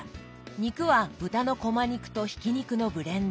肉は豚のこま肉とひき肉のブレンド。